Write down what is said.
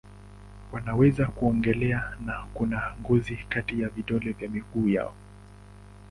Wanaweza kuogelea na kuna ngozi kati ya vidole vya miguu yao.